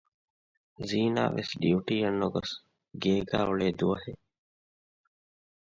ޒީނާ ވެސް ޑިއުޓީއަށް ނުގޮސް ގޭގައި އުޅޭ ދުވަހެއް